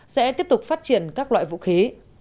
sẽ tiếp tục phát triển các loại vũ khí